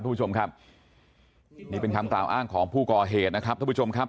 ถ้าผมทำผิดอะไรก็รอให้ผมรู้ด้วยครับ